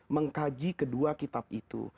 mengkaji kedua kitab itu